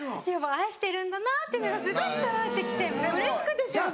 愛してるんだなっていうのがすごい伝わってきてうれしくてしょうがない。